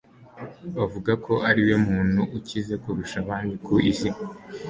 Bavuga ko ariwe muntu ukize kurusha abandi ku isi